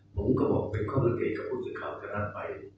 ผมก็บอกเป็นข้อมูลที่เขาจะรักไป